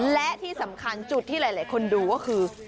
และที่สำคัญจุดที่หลายคนดูก็คือ